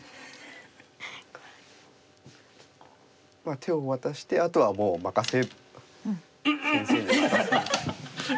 手を渡してあとはもう任せる。